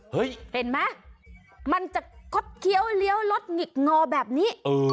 เห็นไหมมันจะคดเคี้ยวเลี้ยวรถหงิกงอแบบนี้